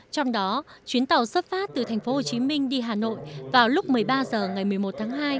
trong đó chuyến tàu xuất phát từ tp hcm đi hà nội vào lúc một mươi ba h ngày một mươi một tháng hai